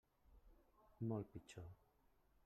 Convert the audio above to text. Molt pitjor.